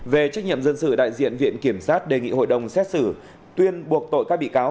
về trách nhiệm dân sự đại diện viện kiểm sát đề nghị hội đồng xét xử tuyên buộc tội các bị cáo